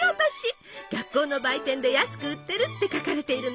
学校の売店で安く売ってるって書かれているの。